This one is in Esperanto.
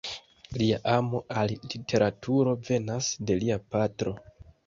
Lia amo al literaturo venas de lia patro.